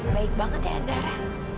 baik banget ya andara